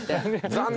「残念！！」